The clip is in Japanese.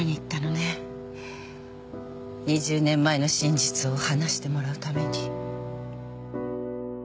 ２０年前の真実を話してもらうために。